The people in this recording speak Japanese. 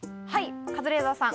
カズレーザーさん。